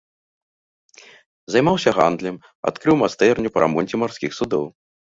Займаўся гандлем, адкрыў майстэрню па рамонце марскіх судоў.